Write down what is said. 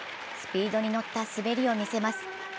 スピードに乗った滑りを見せます。